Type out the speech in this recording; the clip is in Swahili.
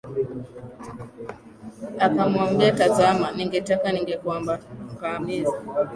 Akamwambia tazama ningetaka ningekuangamiza.